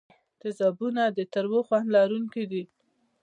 تیزابونه د تریو خوند لرونکي دي.